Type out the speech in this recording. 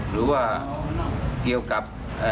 หรือว่าเกี่ยวกับ